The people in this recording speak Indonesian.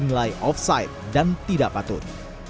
dan menilai offside dan tidak patut